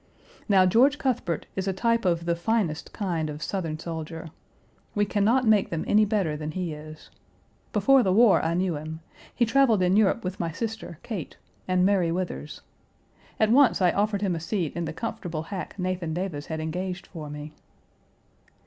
Now George Cuthbert is a type of the finest kind of Southern soldier. We can not make them any better than he is. Before the war I knew him; he traveled in Europe with my sister, Kate, and Mary Withers. At once I offered him a seat in the comfortable hack Nathan Davis had engaged for me.